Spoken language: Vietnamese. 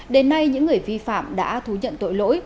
đến nay những người vi phạm đã thú nhận tội lỗi